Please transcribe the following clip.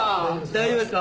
大丈夫ですか？